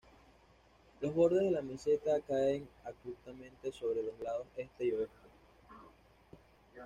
Los bordes de la meseta caen abruptamente sobre los lados este y oeste.